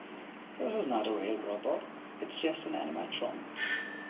This is not a real robot, it's just an animatron.